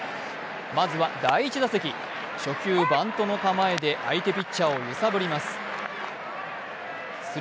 まずは第１打席、初球、バントの構えで相手ピッチャーを揺さぶります。